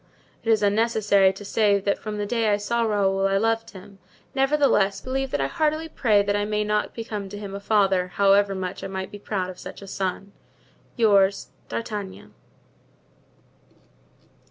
"It is unnecessary to say that from the day I saw Raoul I loved him; nevertheless, believe that I heartily pray that I may not become to him a father, however much I might be proud of such a son. "Your "D'Artagnan.